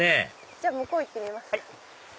じゃあ向こう行ってみますか。